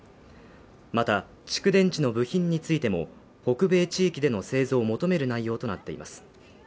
また、蓄電池の部品についても、北米地域での製造を求める内容となっています。